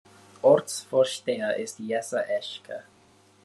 Ortsvorsteher ist Jesse Eschke.